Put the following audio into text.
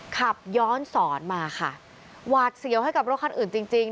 ขับย้อนสอนมาค่ะหวาดเสียวให้กับรถคันอื่นจริงจริง